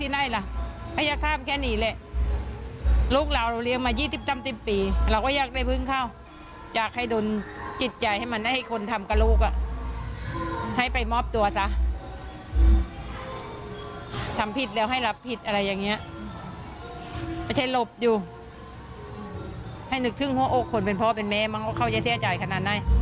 เดี๋ยวลองฟังเสียงคุณพ่อคุณแม่นะคะ